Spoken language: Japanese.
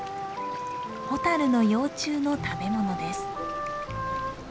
ホタルの幼虫の食べ物です。